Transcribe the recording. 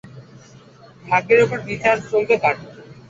ভাগ্যের উপর বিচার চলবে কার?